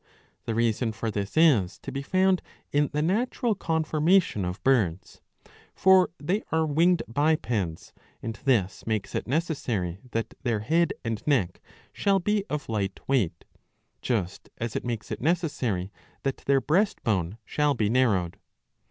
The reason for this is to be found in the natural conformation of birds. For they are winged bipeds ; and this makes it necessary that their head and neck shall be of light weight ; just as it makes it necessary that their breast bone shall be narrowed.